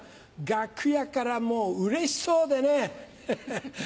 楽屋からもううれしそうでねハハハ。